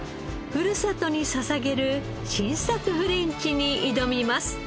ふるさとに捧げる新作フレンチに挑みます。